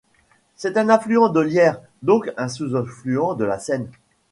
C'est un affluent de l’Yerres, donc un sous-affluent de la Seine.